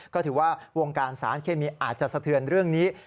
ก็ถือว่าวงการสารเคมีอาจจะสะเทือนเรื่องนี้